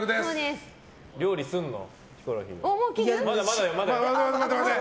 料理すんの？